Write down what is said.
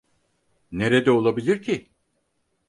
Nerede olabilir ki?